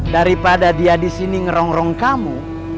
daripada dia disini ngerong rong kamu